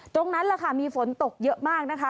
ตรงนั้นแหละค่ะมีฝนตกเยอะมากนะคะ